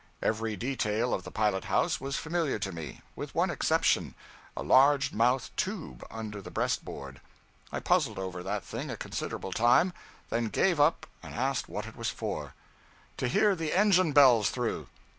Every detail of the pilot house was familiar to me, with one exception, a large mouthed tube under the breast board. I puzzled over that thing a considerable time; then gave up and asked what it was for. 'To hear the engine bells through.'